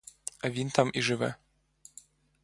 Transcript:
А він там і живе.